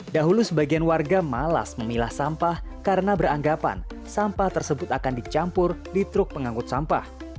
dahulu sebagian warga malas memilah sampah karena beranggapan sampah tersebut akan dicampur di truk pengangkut sampah